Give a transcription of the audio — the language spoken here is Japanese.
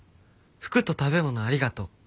服と食べ物ありがとう。